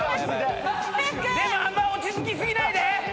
でもあんま落ち着きすぎないで！